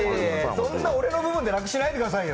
そんな俺の部分で楽しないでくださいよ。